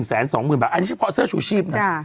อันนี้เฉพาะเสื้อชูชีพนะ